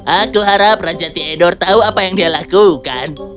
aku harap raja theodore tahu apa yang dia lakukan